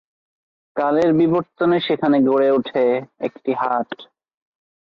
কালের বিবর্তনে সেখানে গড়ে উঠে একটি হাট।